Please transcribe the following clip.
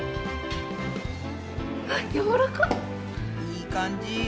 いい感じ。